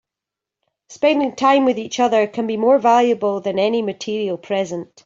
Spending time with each other can be more valuable than any material present.